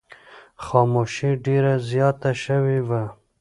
خاموشي ډېره زیاته شوې وه.